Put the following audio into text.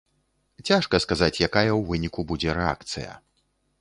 Цяжка сказаць, якая ў выніку будзе рэакцыя.